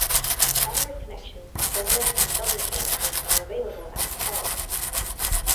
Onward connections to Dublin and Dublin Airport are available at Kells.